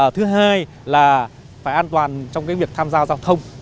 thứ hai là phải an toàn trong việc tham gia giao thông